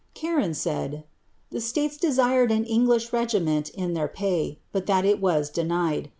Charron said, ^ the states desired an English their pay,' but that it was denied.